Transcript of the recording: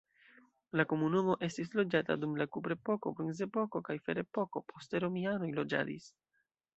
La komunumo estis loĝata dum la kuprepoko, bronzepoko kaj ferepoko, poste romianoj loĝadis.